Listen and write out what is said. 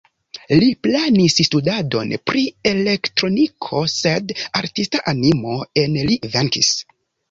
Li planis studadon pri elektroniko, sed artista animo en li venkis.